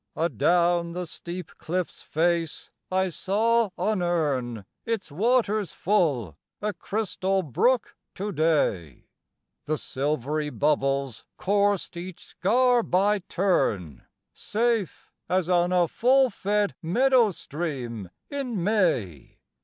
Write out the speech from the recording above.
IV. Adown the steep cliff's face I saw unurn Its waters full, a crystal brook to day; The silvery bubbles coursed each scar by turn, Safe as on a full fed meadow stream in May.